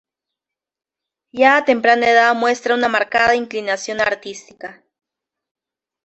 Ya a temprana edad muestra una marcada inclinación artística.